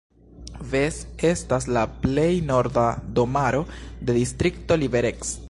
Ves estas la plej norda domaro de distrikto Liberec.